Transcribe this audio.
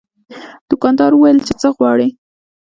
دوکاندار وویل چې څه غواړې.